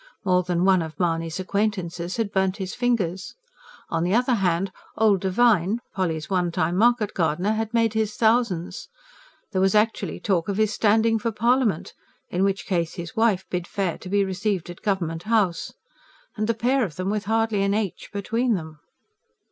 More than one of Mahony's acquaintances had burnt his fingers. On the other hand, old Devine, Polly's one time market gardener, had made his thousands. There was actually talk of his standing for Parliament, in which case his wife bid fair to be received at Government House. And the pair of them with hardly an "h" between them!